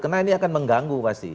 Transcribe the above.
karena ini akan mengganggu pasti